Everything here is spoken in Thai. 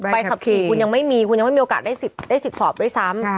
ใบขับขี่คุณยังไม่มีคุณยังไม่มีโอกาสได้สิทธิ์สอบด้วยซ้ำ